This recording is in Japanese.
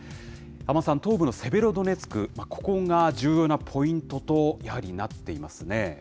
安間さん、東部のセベロドネツク、ここが重要なポイントとやはりなっていますね。